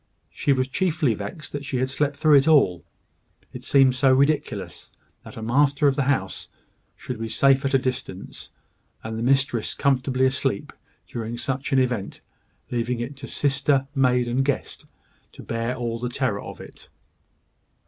She was chiefly vexed that she had slept through it all. It seemed so ridiculous that the master of the house should be safe at a distance, and the mistress comfortably asleep, during such an event, leaving it to sister, maid, and guest, to bear all the terror of it!